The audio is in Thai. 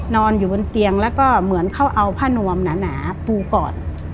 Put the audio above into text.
นอนอยู่บนเตียงแล้วก็เหมือนเขาเอาผ้านวมหนาปูก่อน